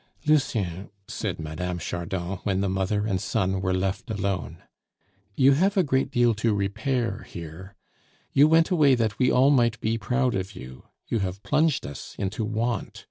"Lucien," said Mme. Chardon when the mother and son were left alone, "you have a great deal to repair here. You went away that we all might be proud of you; you have plunged us into want.